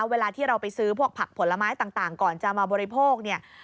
เวลาที่เราไปซื้อพวกผักผลไม้ต่างก่อนจะมาบริโภคเนี่ย